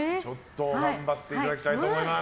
頑張っていただきたいと思います。